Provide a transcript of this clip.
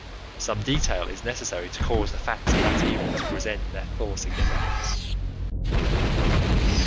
Some detail is necessary to cause the facts of that evening to present their full significance.